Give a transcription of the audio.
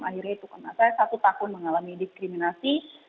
akhirnya itu karena saya satu tahun mengalami diskriminasi